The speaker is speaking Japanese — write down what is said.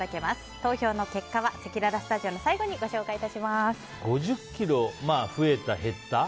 投票の結果はせきららスタジオの最後に５０ｋｇ増えた、減った。